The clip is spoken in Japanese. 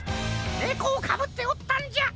ネコをかぶっておったんじゃ！